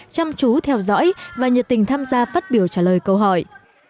chăm chú theo dõi và nhiệt tình tham gia phát biểu trả lời câu hỏi